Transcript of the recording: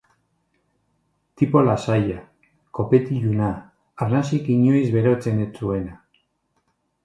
Tipo lasaia, kopetiluna, arnasik inoiz berotzen ez zuena.